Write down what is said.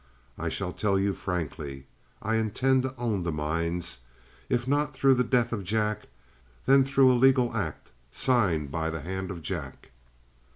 I shall tell you frankly. I intend to own the mines, if not through the death of Jack, then through a legal act signed by the hand of Jack."